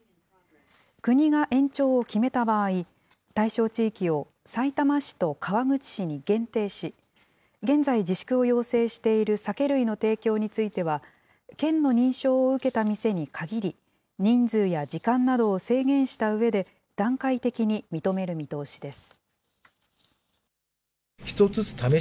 国が延長を決めた場合、対象地域をさいたま市と川口市に限定し、現在自粛を要請している酒類の提供については、県の認証を受けた店に限り、人数や時間などを制限したうえで、段階的に認める見通しです。